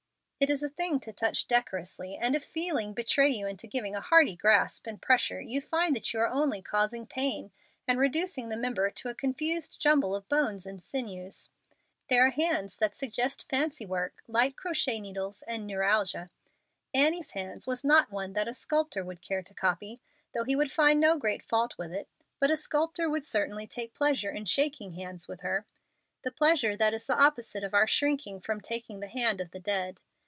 It is a thing to touch decorously, and if feeling betray you into giving a hearty grasp and pressure, you find that you are only causing pain and reducing the member to a confused jumble of bones and sinews. There are hands that suggest fancy work, light crochet needles, and neuralgia. Annie's hand was not one that a sculptor would care to copy, though he would find no great fault with it; but a sculptor would certainly take pleasure in shaking hands with her the pleasure that is the opposite of our shrinking from taking the hand of the dead.